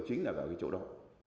chính là vào cái chỗ đó